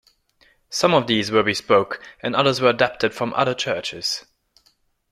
Some of these were bespoke and others were adapted from other churches.